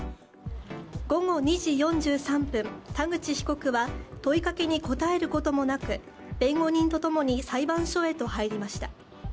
午後２時４３分、田口被告は問いかけに答えることもなく、弁護人とともに、裁判所へと入りました。